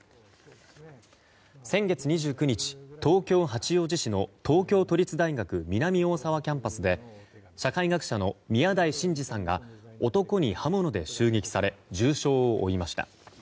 先月２９日、東京・八王子市の東京都立大学南大沢キャンパスで社会学者の宮台真司さんが男に刃物で襲撃され重傷を負いました。